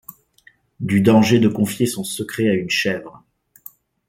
Du danger de confier son secret à une chèvre